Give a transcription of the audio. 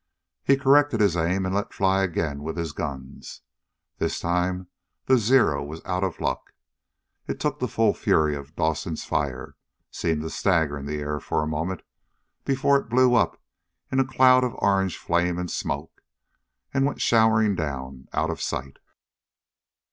He corrected his aim and let fly again with his guns. This time the Zero was out of luck. It took the full fury of Dawson's fire, seemed to stagger in the air for a moment before it blew up in a cloud of orange flame and smoke, and went showering down out of sight.